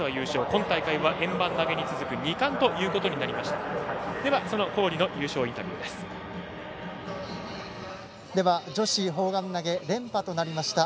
今大会は円盤投げに続く２冠となりました。